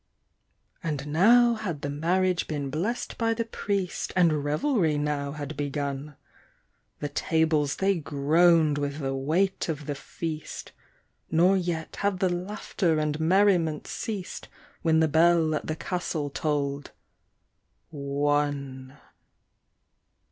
And now had the marriage been blest by the priest, And revelry now had begun; The tables they groaned with the weight of the feast. Nor yet had the laughter and merriment ceased, When the bell at the castle tolled one.